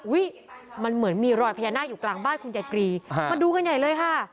มันเหมือนมีรอยพญานาคอยู่กลางบ้านคุณยายกรีมาดูกันใหญ่เลยค่ะ